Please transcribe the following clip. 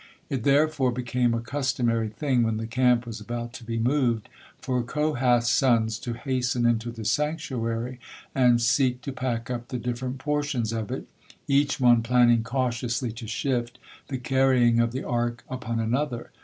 It therefore became a customary thing, when the camp was about to be moved, for Kohath's sons to hasten into the sanctuary and seek to pack up the different portions of it, each one planning cautiously to shift the carrying of the Ark upon another.